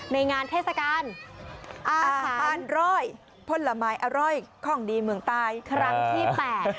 ในงานเทศกาลอาหารร่อยผลไม้อร่อยของดีเมืองใต้ครั้งที่๘